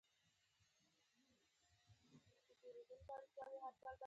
د ملي یووالي ټینګښت لپاره اړینه ده چې توپیرونه له منځه یوسو.